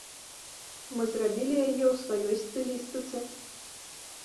Мы зрабілі яе ў сваёй стылістыцы.